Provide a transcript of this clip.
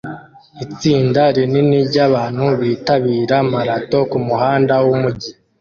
Itsinda rinini ryabantu bitabira marato kumuhanda wumujyi